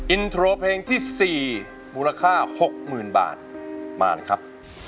อินโทรเพลงที่๔มูลค่า๖๐๐๐บาทมาเลยครับ